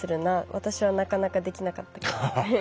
私はなかなかできなかったけど。